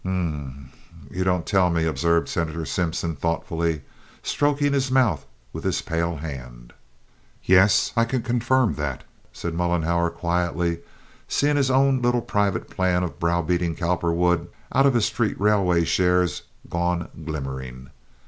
"Um m, you don't tell me," observed Senator Simpson, thoughtfully, stroking his mouth with his pale hand. "Yes, I can confirm that," said Mollenhauer, quietly, seeing his own little private plan of browbeating Cowperwood out of his street railway shares going glimmering.